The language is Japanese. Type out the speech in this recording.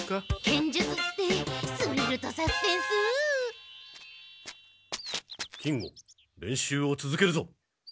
金吾練習をつづけるぞ。